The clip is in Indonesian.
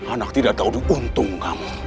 anak tidak tahu untung kamu